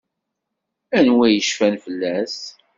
Anwa i yecfan fell-as?